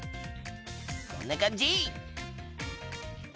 こんな感じ！